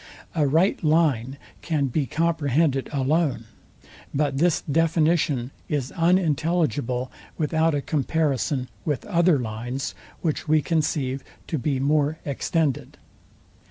A right line can be comprehended alone; but this definition is unintelligible without a comparison with other lines, which we conceive to be more extended.